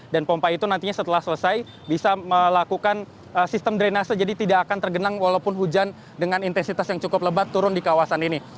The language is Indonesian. dan pompa itu nantinya setelah selesai bisa melakukan sistem drenase jadi tidak akan tergenang walaupun hujan dengan intensitas yang cukup lebat turun di kawasan ini